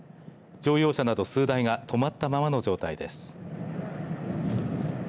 乗用車など数台が止まったままの状態です。